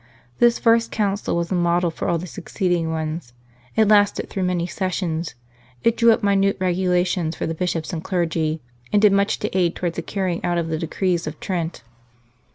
This first Council was a model for all the succeeding ones ; it lasted through many sessions. It drew up minute regulations for the Bishops and clergy, and did much to aid towards the carrying out of the decrees of Trent.